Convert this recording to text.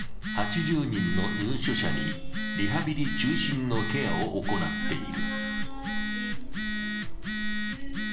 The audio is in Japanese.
８０人の入所者にリハビリ中心のケアを行っている。